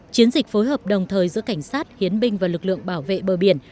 chiến dịch phối hợp đồng thời giữa cảnh sát hiến binh và lực lượng bảo vệ bờ biển